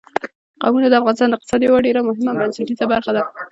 قومونه د افغانستان د اقتصاد یوه ډېره مهمه او بنسټیزه برخه ده.